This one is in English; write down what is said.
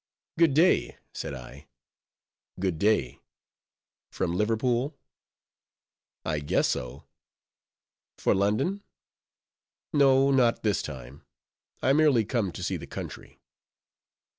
"Good day," said I. "Good day; from Liverpool?" "I guess so." "For London?" "No; not this time. I merely come to see the country."